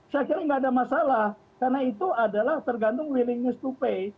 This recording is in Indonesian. saya kira nggak ada masalah karena itu adalah tergantung willingness to pay